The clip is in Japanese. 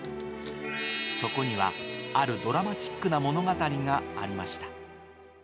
そこには、あるドラマチックな物語がありました。